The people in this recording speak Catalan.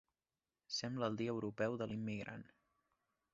Sembla el dia europeu de l'immigrant.